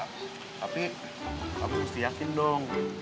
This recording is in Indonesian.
tapi aku mesti yakin dong